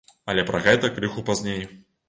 Але пра гэта крыху пазней.